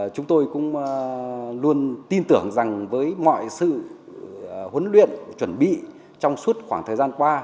chúng tôi cũng luôn tin tưởng rằng với mọi sự huấn luyện chuẩn bị trong suốt khoảng thời gian qua